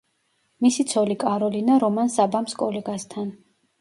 მისი ცოლი კაროლინა რომანს აბამს კოლეგასთან.